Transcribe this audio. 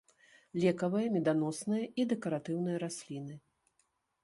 Лекавыя, меданосныя і дэкаратыўныя расліны.